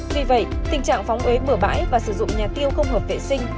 vì vậy tình trạng phóng huế bừa bãi và sử dụng nhà tiêu không hợp vệ sinh